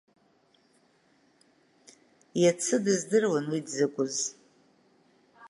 Иацы дыздыруан уи дзакәыз…